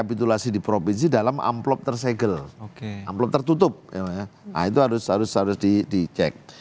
itu harus di cek